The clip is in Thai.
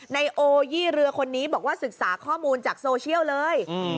นายโอยี่เรือคนนี้บอกว่าศึกษาข้อมูลจากโซเชียลเลย